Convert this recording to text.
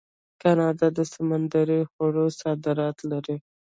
کاناډا د سمندري خوړو صادرات لري.